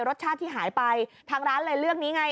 รสชาติที่หายไปทางร้านเลยเลือกนี้ไง